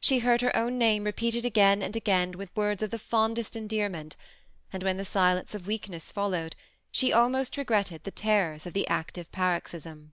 She heard her own name repeated again and again with words of the fondest en dearment; and when the silence of weakness followed, she almost regretted the terrors of the active paroxysm.